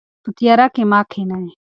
په تیاره کې مه کښینئ.